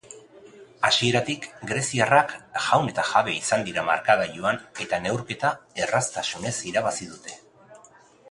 Hasieratik greziarrak jaun eta jabe izan dira markagailuan eta neurketa erraztasunez irabazi dute.